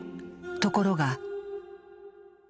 ところが。